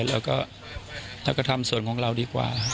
เราก็ทำส่วนของเราดีกว่า